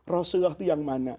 rasulullah itu yang mana